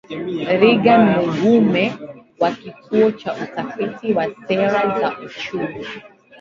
Reagan Mugume wa Kituo cha Utafiti wa Sera za Uchumi